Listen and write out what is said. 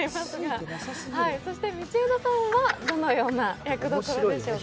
道枝さんがどのような役どころでしょうか？